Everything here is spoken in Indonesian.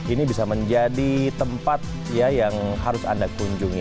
ini bisa menjadi tempat yang harus anda kunjungi